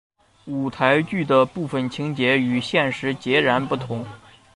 舞台剧的部分情节与现实截然不同。